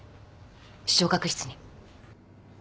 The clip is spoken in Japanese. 視聴覚室に。